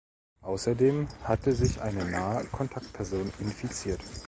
Außerdem hatte sich eine nahe Kontaktperson infiziert.